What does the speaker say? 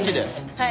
はい。